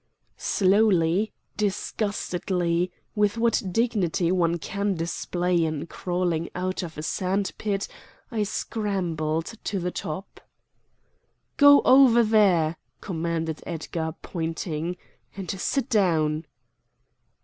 Slowly, disgustedly, with what dignity one can display in crawling out of a sand pit, I scrambled to the top. "Go over there," commanded Edgar pointing, "and sit down."